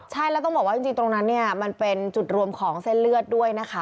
ใช่แล้วต้องบอกว่าจริงตรงนั้นเนี่ยมันเป็นจุดรวมของเส้นเลือดด้วยนะคะ